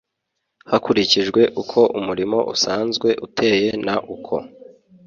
hakurikijwe uko umurimo usanzwe uteye n uko